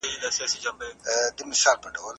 کله چي هيڅ صحابي ولاړ نسو.